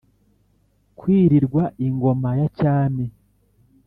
kwiririrwa ingoma ya cyami